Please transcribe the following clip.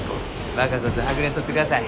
若こそはぐれんとってください。